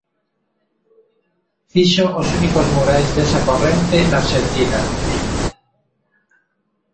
Fixo os únicos murais desa corrente na Arxentina, di.